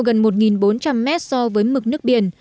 gần một bốn trăm linh mét so với mực nước biển